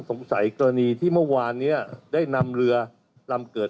กรณีที่เมื่อวานเนี้ยได้นำเรือลำเกิด